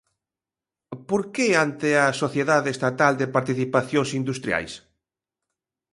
Por que ante a Sociedade Estatal de Participacións Industriais?